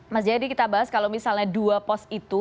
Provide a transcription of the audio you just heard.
mas jayadi kita bahas kalau misalnya dua pos itu